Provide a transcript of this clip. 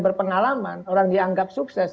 berpengalaman orang dianggap sukses